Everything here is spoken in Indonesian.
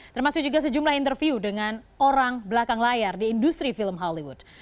termasuk juga sejumlah interview dengan orang belakang layar di industri film hollywood